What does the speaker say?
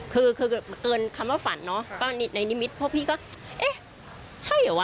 คือคือเกินคำว่าฝันเนาะก็ในนิมิตพวกพี่ก็เอ๊ะใช่เหรอวะ